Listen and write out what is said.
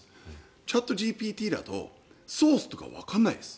チャットＧＰＴだとソースとかわからないです。